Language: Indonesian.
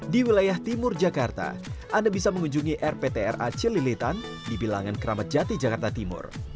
di wilayah timur jakarta anda bisa mengunjungi rptra celilitan di bilangan keramat jati jakarta timur